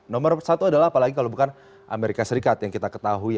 nomor satu adalah apalagi kalau bukan amerika serikat yang kita ketahui